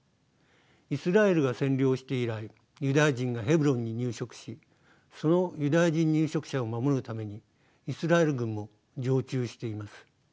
イスラエルが占領して以来ユダヤ人がヘブロンに入植しそのユダヤ人入植者を守るためにイスラエル軍も常駐しています。